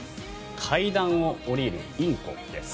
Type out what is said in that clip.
階段を下りるインコです。